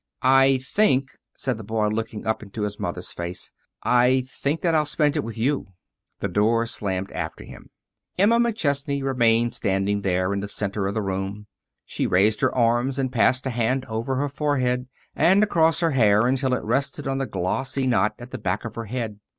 "I think," said the boy, looking up into his mother's face, "I think that I'll spend it with you." The door slammed after him. Emma McChesney remained standing there, in the center of the room. She raised her arms and passed a hand over her forehead and across her hair until it rested on the glossy knot at the back of her head.